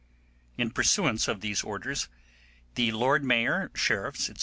In pursuance of these orders, the Lord Mayor, sheriffs, &c.